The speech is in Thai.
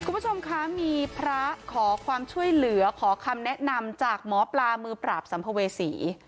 คุณผู้ชมคะมีพระขอความช่วยเหลือขอคำแนะนำจากหมอปลามือปราบสัมภเวษี